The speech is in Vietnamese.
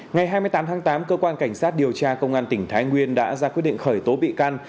ngày hai mươi tám tháng tám cơ quan cảnh sát điều tra công an tỉnh thái nguyên đã ra quyết định khởi tố bị can